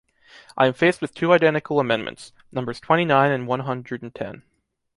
I am faced with two identical amendments, numbers twenty-nine and one hundred and ten.